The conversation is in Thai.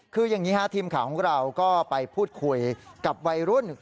คืออย่างนี้ฮะทีมข่าวของเราก็ไปพูดคุยกับวัยรุ่น